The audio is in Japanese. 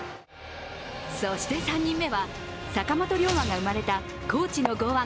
そして、３人目は坂本龍馬が生まれた高知の剛腕